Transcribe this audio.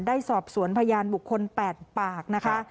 ได้สอบสวนพยานบุคคล๘ปากนะคะ